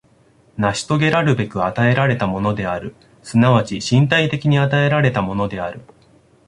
成し遂げらるべく与えられたものである、即ち身体的に与えられたものである。